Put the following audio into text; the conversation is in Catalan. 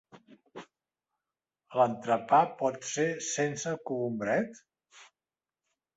L'entrepà pot ser sense cogombret?